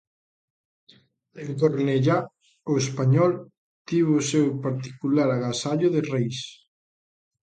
En Cornellá o Español tivo o seu particular agasallo de Reis.